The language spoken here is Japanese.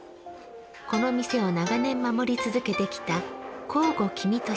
この店を長年守り続けてきた向後公稔さん